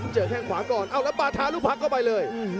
เจอแข่งขวาก่อนเอาละปตารุพรักก็ไปเลย